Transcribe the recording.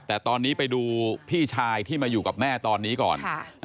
แต่ตอนนี้ไปดูพี่ชายที่มาอยู่กับแม่ตอนนี้ก่อน